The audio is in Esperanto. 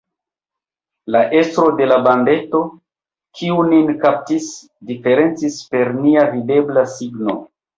La estro de la bandeto, kiu nin kaptis, diferencis per nenia videbla signo.